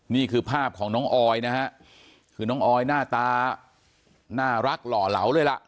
นี่คือภาพของน้องออยนะฮะคือน้องออยหน้าตาน่ารักหล่อเหลาเลยล่ะ